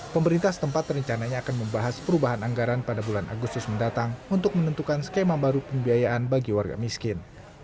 pemerintah setempat rencananya akan membahas perubahan anggaran pada bulan agustus mendatang untuk menentukan skema baru pembiayaan bagi warga miskin